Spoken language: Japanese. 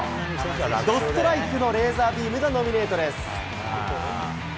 どストライクのレーザービームがノミネートです。